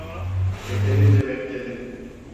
Yeterince bekledim.